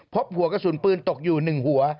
พบหัวกระสุนปืนตกอยู่๑หัว